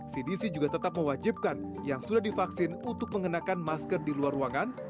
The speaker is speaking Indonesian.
cdc juga tetap mewajibkan yang sudah divaksin untuk mengenakan masker di luar ruangan